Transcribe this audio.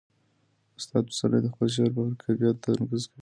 استاد پسرلی د خپل شعر پر کیفیت تمرکز کوي.